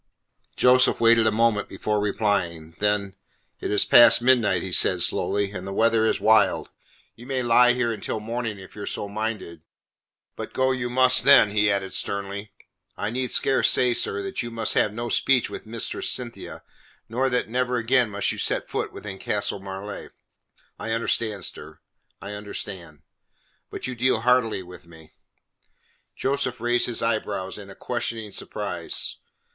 Joseph waited a moment before replying. Then: "It is past midnight," he said slowly, "and the weather is wild. You may lie here until morning, if you are so minded. But go you must then," he added sternly. "I need scarce say, sir, that you must have no speech with Mistress Cynthia, nor that never again must you set foot within Castle Marleigh." "I understand, sir; I understand. But you deal hardly with me." Joseph raised his eyebrows in questioning surprise.